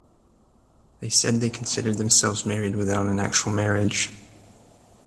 They said they considered themselves married without an actual marriage.